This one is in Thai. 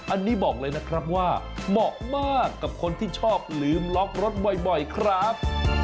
อันนี้บอกเลยนะครับว่าเหมาะมากกับคนที่ชอบลืมล็อกรถบ่อยครับ